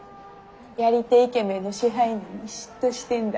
やり手イケメンの支配人に嫉妬してんだ？